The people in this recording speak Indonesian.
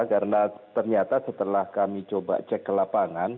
karena ternyata setelah kami coba cek ke lapangan